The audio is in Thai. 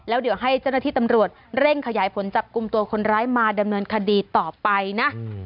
แล้วเดี๋ยวให้เจ้าหน้าที่ตำรวจเร่งขยายผลจับกลุ่มตัวคนร้ายมาดำเนินคดีต่อไปนะ